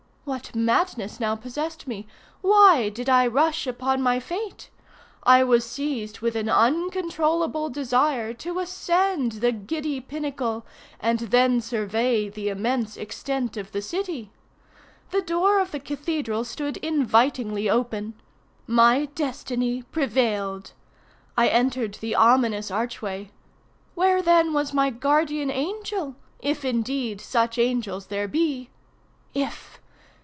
What madness now possessed me? Why did I rush upon my fate? I was seized with an uncontrollable desire to ascend the giddy pinnacle, and then survey the immense extent of the city. The door of the cathedral stood invitingly open. My destiny prevailed. I entered the ominous archway. Where then was my guardian angel?—if indeed such angels there be. If!